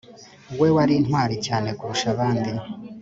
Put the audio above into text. we wari intwari cyane kurusha abandi